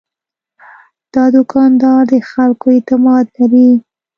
دا دوکاندار د خلکو اعتماد لري.